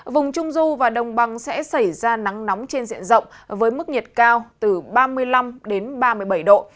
vùng trung du và đồng bằng sẽ xảy ra nắng nóng trên diện rộng với mức nhiệt cao từ ba mươi năm đến ba mươi bảy độ